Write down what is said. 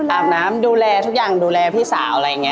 อาบน้ำดูแลทุกอย่างดูแลพี่สาวอะไรอย่างนี้